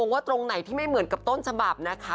ว่าตรงไหนที่ไม่เหมือนกับต้นฉบับนะคะ